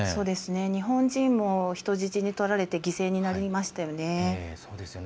日本人も人質にとられて犠牲になりましたよね。